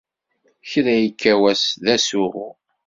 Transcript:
Kra yekka wass d asuɣu.